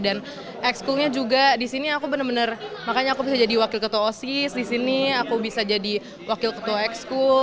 dan ekskulnya juga disini aku benar benar makanya aku bisa jadi wakil ketua osis disini aku bisa jadi wakil ketua ekskul